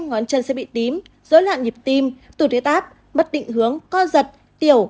ngón chân sẽ bị tím rối loạn nhịp tim tụt huyết áp bất định hướng co giật tiểu